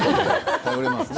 頼れますね